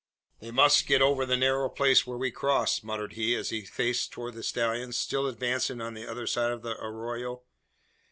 "They must get over the narrow place where we crossed," muttered he, as he faced towards the stallions, still advancing on the other side of the arroyo.